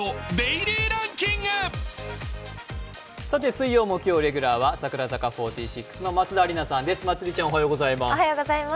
水曜・木曜レギュラーは櫻坂４６の松田里奈さんです。